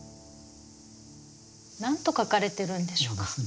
何と書かれてるんでしょうか？